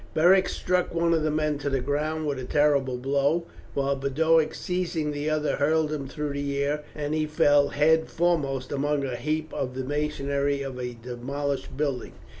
Beric struck one of the men to the ground with a terrible blow, while Boduoc seizing the other hurled him through the air, and he fell head foremost among a heap of the masonry of a demolished building.